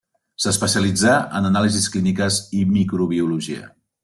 S'especialitzà en anàlisis clíniques i microbiologia.